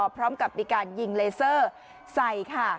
พร้อมกับมีการยิงเลเซอร์ใส่ค่ะ